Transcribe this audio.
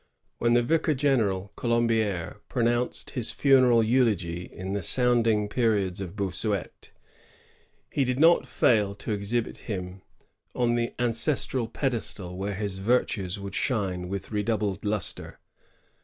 When the vicar general Colombidre pronounced his funeral eulogy in the sounding periods of Bossuet, he did not fail to exhibit him on the ancestral pedestal where his virtues would shine with redoubled lustre.